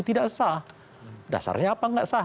tidak sah dasarnya apa nggak sah